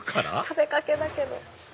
食べかけだけど。